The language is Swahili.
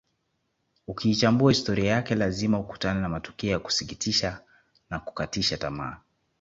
Ukiichambua historia yake lazima ukutane na matukio ya kusikitisha na kukatisha tamaa